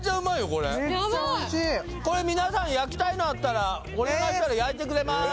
これ皆さん焼きたいのあったらお願いしたら焼いてくれます